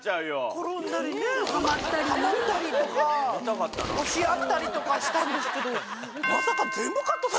転んだりねはまったりとか押し合ったりとかしたんですけど。